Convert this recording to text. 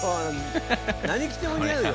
何着てもにあうよ。